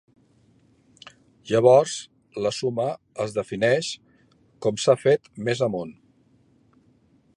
Llavors la suma es defineix com s'ha fet més amunt.